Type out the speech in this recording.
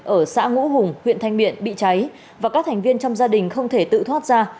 ở xã ngũ hùng huyện thanh miện bị cháy và các thành viên trong gia đình không thể tự thoát ra